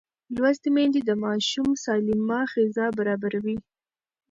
لوستې میندې د ماشوم سالمه غذا برابروي.